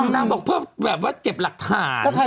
นางบอกเพื่อแบบว่าเก็บหลักฐาน